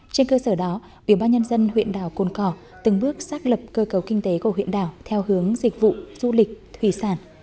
trên cơ sở đó ubnd huyền đảo cồn cỏ từng bước xác lập cơ cầu kinh tế của huyền đảo theo hướng dịch vụ du lịch thủy sản